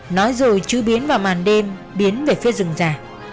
nói rồi chế biến vào màn đêm biến về phía rừng già